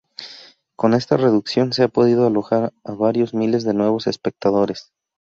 Con esta reducción, se ha podido alojar a varios miles de nuevos espectadores.